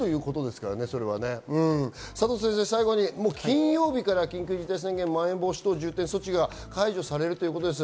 最後に金曜日から緊急事態宣言、まん延防止等重点措置が解除されるということです。